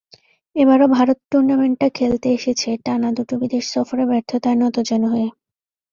এবারও ভারত টুর্নামেন্টটা খেলতে এসেছে টানা দুটো বিদেশ সফরে ব্যর্থতায় নতজানু হয়ে।